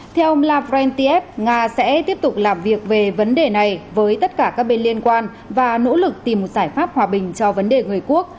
theo ông la frantiev nga sẽ tiếp tục làm việc về vấn đề này với tất cả các bên liên quan và nỗ lực tìm một giải pháp hòa bình cho vấn đề người quốc